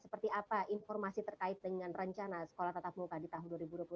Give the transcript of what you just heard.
seperti apa informasi terkait dengan rencana sekolah tatap muka di tahun dua ribu dua puluh satu